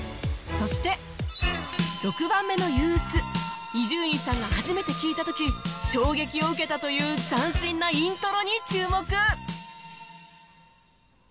そして『６番目のユ・ウ・ウ・ツ』伊集院さんが初めて聴いた時衝撃を受けたという斬新なイントロに注目